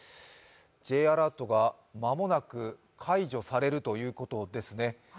Ｊアラートが間もなく解除されるということですね。